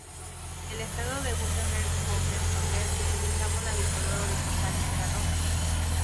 El Estado de Wurtemberg-Hohenzollern utilizaba una bicolor horizontal negra-roja.